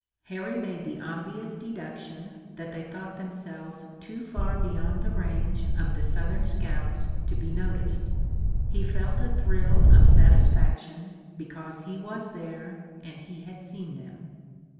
Harry made the obvious deduction that they thought themselves too far beyond the range of the Southern scouts to be noticed. He felt a thrill of satisfaction, because he was there and he had seen them.